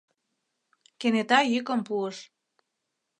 Кенета йӱкым пуыш: